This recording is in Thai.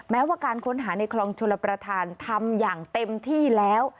แม้ว่าการค้นหาในคลองชลประธานทำอย่างเต็มที่แล้ว